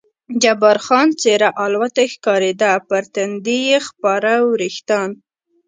جبار خان څېره الوتی ښکارېده، پر تندي یې خپاره وریښتان.